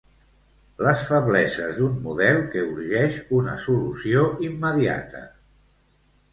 Les febleses d'un model que urgeix una solució immediata.